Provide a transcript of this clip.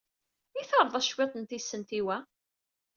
I terred-as cwiṭ n tisent i wa?